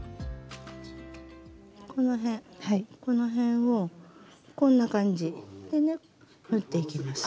この辺この辺をこんな感じでね縫っていきます。